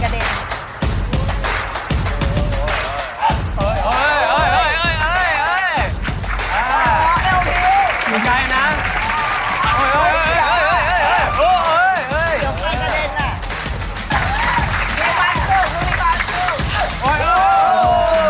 เดี๋ยวไปกระเด็น